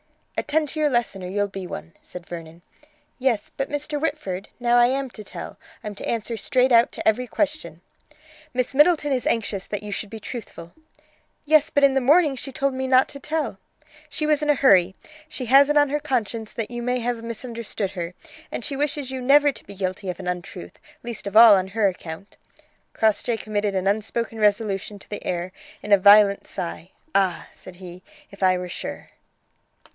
"Attend to your lesson, or you'll be one," said Vernon. "Yes, but, Mr. Whitford, now I am to tell. I'm to answer straight out to every question." "Miss Middleton is anxious that you should be truthful." "Yes; but in the morning she told me not to tell." "She was in a hurry. She has it on her conscience that you may have misunderstood her, and she wishes you never to be guilty of an untruth, least of all on her account." Crossjay committed an unspoken resolution to the air in a violent sigh: "Ah!" and said: "If I were sure!"